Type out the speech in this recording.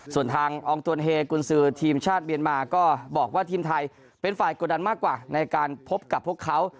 ส่วนทางอองตวนเฮกุญสือทีมชาติเมียนมาก็บอกว่าทีมไทยเป็นฝ่ายกดดันมากกว่าในการพบกับพวกเขา